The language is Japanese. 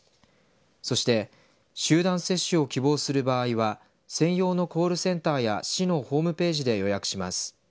そして集団接種を希望する場合は専用のコールセンターや市のホームページで予約します。